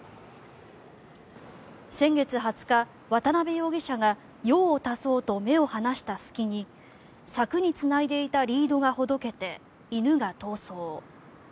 先月２０日、渡邊容疑者が用を足そうと目を離した隙に策につないでいたリードがほどけて、犬が逃走。